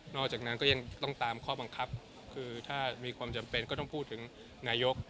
จากนั้นก็ยังต้องตามข้อบังคับคือถ้ามีความจำเป็นก็ต้องพูดถึงนายก